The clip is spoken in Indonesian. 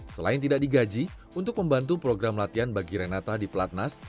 selain tidak digaji untuk membantu program latihan bagi renata di pelatnas